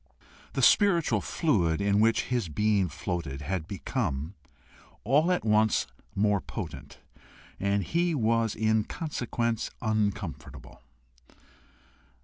The spiritual fluid in which his being floated had become all at once more potent, and he was in consequence uncomfortable.